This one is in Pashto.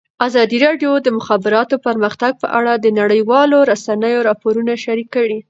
ازادي راډیو د د مخابراتو پرمختګ په اړه د نړیوالو رسنیو راپورونه شریک کړي.